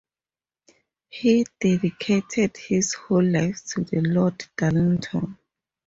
He dedicated his whole life to Lord Darlington.